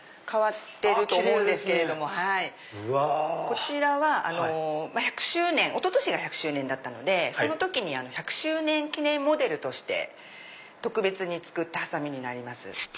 こちらは１００周年おととしが１００周年でその時に１００周年記念モデルとして特別に作ったハサミになります。